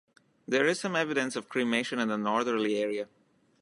There is some evidence of cremation in the northerly area.